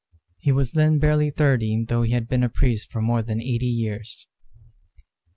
He was then barely thirty, though he had been a priest for more than eighty years.